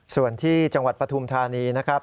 ส่วนที่จังหวัดปฐุมธานีนะครับ